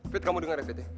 fit kamu dengar ya fit